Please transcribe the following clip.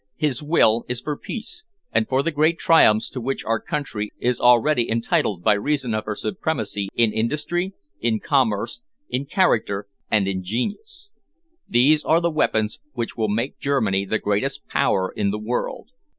His will is for peace, and for the great triumphs to which our country is already entitled by reason of her supremacy in industry, in commerce, in character and in genius. These are the weapons which will make Germany the greatest Power in the world.